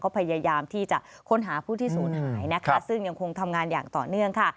ก็พยายามที่จะค้นหาผู้ที่สูญหายซึ่งยังคงทำงานอย่างต่อเนื่อง